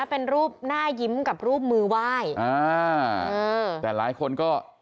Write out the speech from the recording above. เป็นรูปหน้ายิ้มกับรูปมือไหว้อ่าเออแต่หลายคนก็